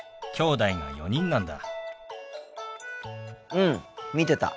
うん見てた。